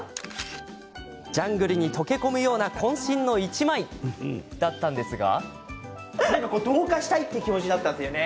ジャングルに溶け込むようなこん身の１枚だったんですが。